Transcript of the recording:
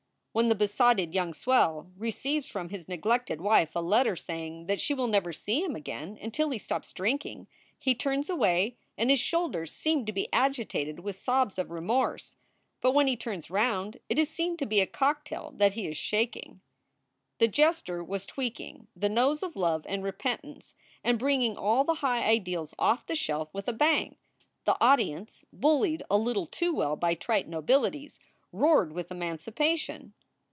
When the besotted young swell receives from his neglected wife a letter saying that she will never see him again until he stops drinking, he turns away, and his shoulders seem to be agitated with sobs of remorse. But when he turns round it is seen to be a cocktail that he is shaking. The jester was tweaking the nose of love and repentance and bringing all the high ideals off the shelf with a bang. The audience, bullied a little too well by trite nobilities, roared with emancipation.